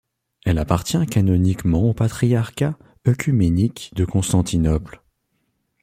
Elle appartient canoniquement au Patriarcat œcuménique de Constantinople.